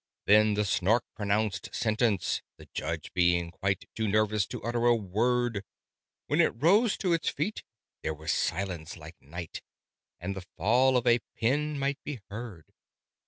Then the Snark pronounced sentence, the Judge being quite Too nervous to utter a word: When it rose to its feet, there was silence like night, And the fall of a pin might be heard.